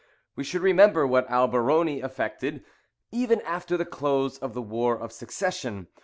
We should remember what Alberoni effected, even after the close of the War of Succession.